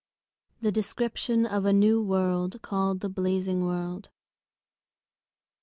The Description of a New World, Called The Blazing World.